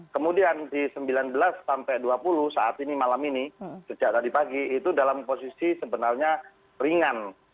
kemudian di sembilan belas sampai dua puluh saat ini malam ini sejak tadi pagi itu dalam posisi sebenarnya ringan